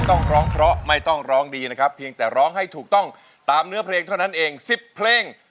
โดยผู้เข้าแข่งขันมีสิทธิ์ใช้ตัวช่วย๓ใน๖แผ่นป้ายตลอดการแข่งขัน